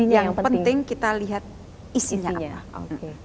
yang penting kita lihat isinya apa